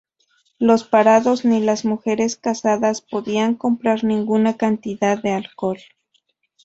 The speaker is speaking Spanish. Los parados ni las mujeres casadas podían comprar ninguna cantidad de alcohol.